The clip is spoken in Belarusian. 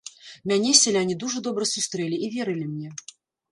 Мяне сяляне дужа добра сустрэлі і верылі мне.